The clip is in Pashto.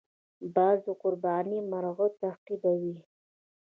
باز د قرباني مرغه تعقیبوي